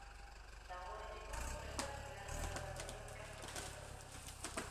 Dagoeneko prestatu behar gara datorren ikasturterako.